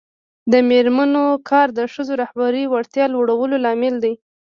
د میرمنو کار د ښځو رهبري وړتیا لوړولو لامل دی.